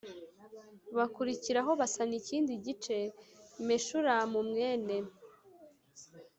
Bakurikiraho basana ikindi gice meshulamu mwene